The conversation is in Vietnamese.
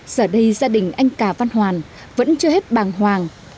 giờ đây gia đình anh cà văn hoàn vẫn chưa hết bàng hoàng